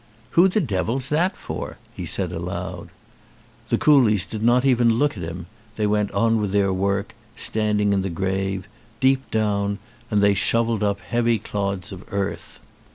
"Who the devil's that for?" he said aloud. The coolies did not even look at him, they went on with their work, standing in the grave, deep down, and they shovelled up heavy clods of earth.